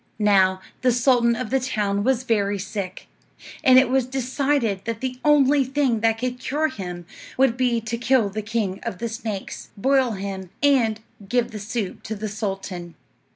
Now, the sultan of the town was very sick; and it was decided that the only thing that could cure him would be to kill the king of the snakes, boil him, and give the soup to the sultan.